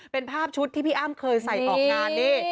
เป็นภาพชุดที่พี่อ้ำเคยใส่ออกงานนี่